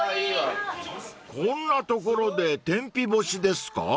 ［こんな所で天日干しですか？］